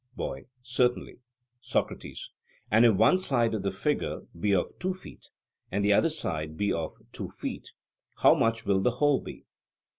BOY: Certainly. SOCRATES: And if one side of the figure be of two feet, and the other side be of two feet, how much will the whole be?